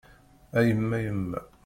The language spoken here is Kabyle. A yemma yemma!